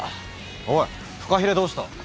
おいフカヒレどうした？